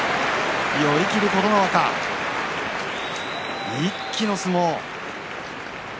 寄り切り、琴ノ若一気の相撲。